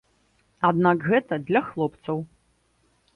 Аднак гэта для хлопцаў.